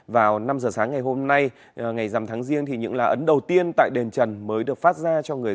vào năm giờ sáng ngày hôm nay ngày dằm tháng riêng